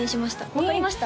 分かりました？